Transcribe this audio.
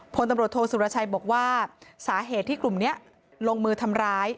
พลตำรวจโทษสุรชัยบอกว่าสาเหตุที่กลุ่มนี้ลงมือทำร้าย